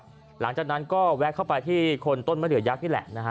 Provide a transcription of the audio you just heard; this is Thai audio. หลังจากนั้นก็แวะเข้าไปที่คนต้นมะเดือยักษ์นี่แหละนะฮะ